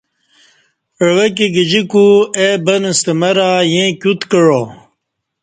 عوہ کی گجیکو اے بن ستہ مرہ ییں کیوت کعا